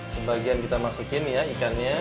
sebagian kita masukin ya ikannya